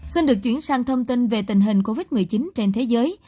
xin được chuyển sang thông tin về tình hình covid một mươi chín trên thế giới